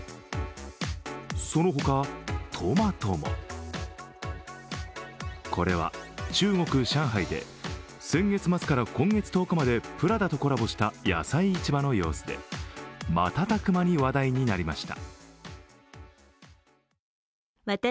そのほか、トマトもこれは中国・上海で先月末から今月１０日までプラダとコラボした野菜市場の様子で瞬く間に話題になりました。